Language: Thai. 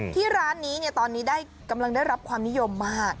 ที่ร้านนี้ตอนนี้กำลังได้รับความนิยมมาก